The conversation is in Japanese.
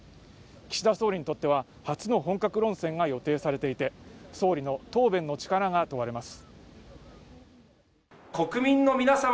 岸田総理にとっては初の本格論戦が予定されていて総理の答弁の力が問われます